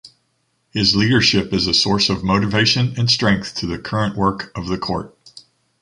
His leadership is a source of motivation and strength to the current work of the Court.